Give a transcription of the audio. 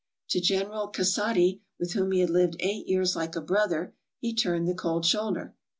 To General Casati, with whom he had lived eight years like a brother, he turned the cold shoulder.